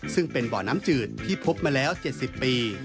ซึ่งเป็นบ่อน้ำจืดที่พบมาแล้ว๗๐ปี